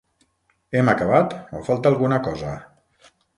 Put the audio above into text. Hem acabat o falta alguna cosa?